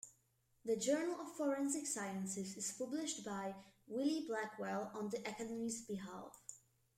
The "Journal of Forensic Sciences" is published by Wiley-Blackwell on the Academy's behalf.